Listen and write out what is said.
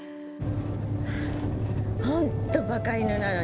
ホントバカ犬なのに。